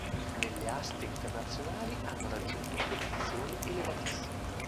Nelle aste internazionali hanno raggiunto quotazioni elevatissime.